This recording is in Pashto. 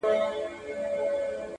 د ژوند په څو لارو كي.